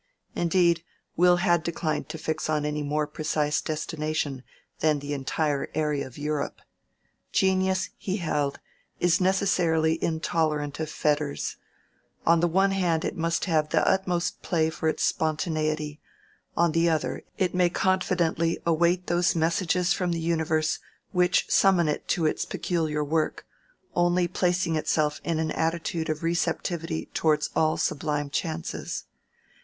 Indeed, Will had declined to fix on any more precise destination than the entire area of Europe. Genius, he held, is necessarily intolerant of fetters: on the one hand it must have the utmost play for its spontaneity; on the other, it may confidently await those messages from the universe which summon it to its peculiar work, only placing itself in an attitude of receptivity towards all sublime chances.